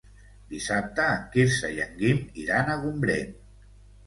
Dissabte en Quirze i en Guim iran a Gombrèn.